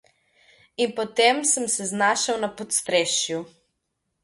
In potem sem se znašel na podstrešju!